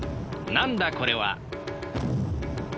なんだこれは！